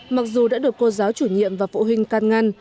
mặc dù đã được cô giáo chủ nhiệm và phụ huynh can ngăn